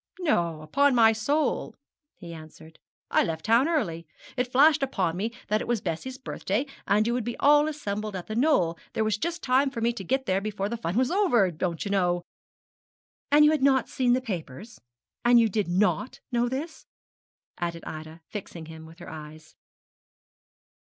'No, upon my soul,' he answered; 'I left town early. It flashed upon me that it was Bessie's birthday you would be all assembled at The Knoll there was just time for me to get there before the fun was over don't you know ' 'And you had not seen the papers? you did not know this?' added Ida, fixing him with her eyes.